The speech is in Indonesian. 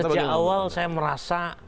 sejak awal saya merasa